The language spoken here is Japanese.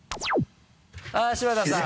あぁ柴田さん！